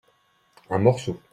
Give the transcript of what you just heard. un morceau.